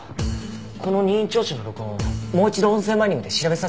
この任意聴取の録音もう一度音声マイニングで調べさせてください。